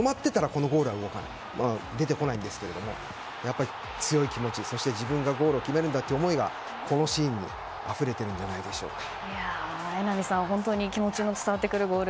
止まってたらこのゴールは出てこないんですけど強い気持ちそして自分がゴールを決めるんだという思いがこのシーンにあふれてるんじゃないでしょうか。